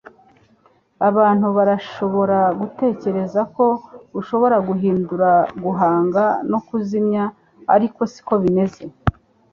Abantu barashobora gutekereza ko ushobora guhindura guhanga no kuzimya, ariko siko bimeze.